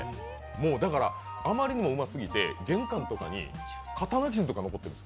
もう、あまりにもうますぎて玄関とかに刀傷とか残ってるの。